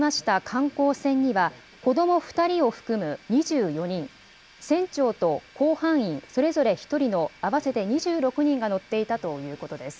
観光船には、子ども２人を含む２４人、船長と甲板員それぞれ１人の合わせて２６人が乗っていたということです。